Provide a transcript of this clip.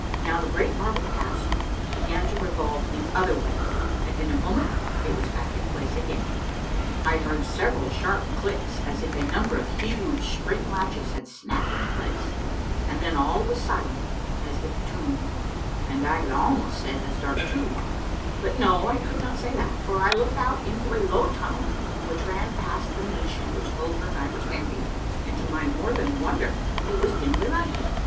Now the great marble cask began to revolve the other way and in a moment it was back in place again. I heard several sharp clicks as if a number of huge spring latches had snapped into place, and then all was silent as the tomb, and I had almost said as dark too ; but no, I could not say that, for I looked out into a low tunnel which ran past the niche in which Bulger and I were standing, and to my more than wonder it was dimly lighted.